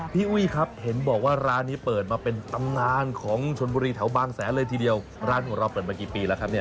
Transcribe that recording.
อุ้ยครับเห็นบอกว่าร้านนี้เปิดมาเป็นตำนานของชนบุรีแถวบางแสนเลยทีเดียวร้านของเราเปิดมากี่ปีแล้วครับเนี่ย